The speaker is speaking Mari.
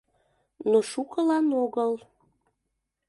Но шукылан огыл.